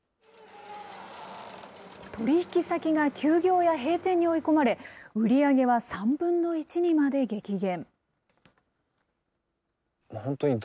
取り引き先が休業や閉店に追い込まれ、売り上げは３分の１にまで激減。